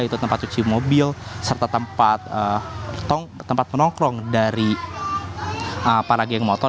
yaitu tempat cuci mobil serta tempat menongrong dari para geng motor